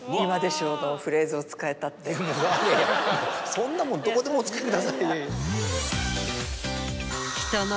そんなもんどこでもお使いください。